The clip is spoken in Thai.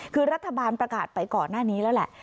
คือรัฐบาลประกาศไปก่อนหน้านี้แล้วแหละ